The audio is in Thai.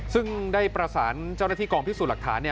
ซึ่งได้ประสานเจ้าหน้าที่กองพิสูจน์หลักฐาน